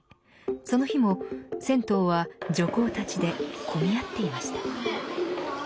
その日も銭湯は女工たちで混み合っていました。